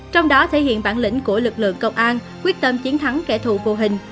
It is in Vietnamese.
trong đó thể hiện bản lĩnh của lực lượng công an quyết tâm chiến thắng kẻ thù vô hình